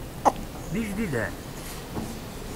D ijdiden?